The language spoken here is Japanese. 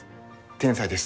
天才です。